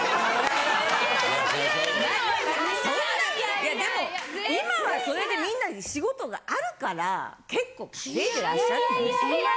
いやでも今はそれでみんな仕事があるから結構稼いでらっしゃるんじゃない。